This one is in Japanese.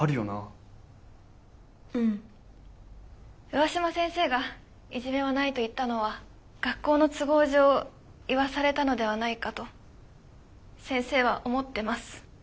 上嶋先生がいじめはないと言ったのは学校の都合上言わされたのではないかと先生は思ってます。